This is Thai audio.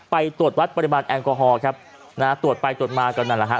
ไปตรวจวัดปริมาณแอลกอฮอล์ครับนะฮะตรวจไปตรวจมาก็นั่นแหละฮะ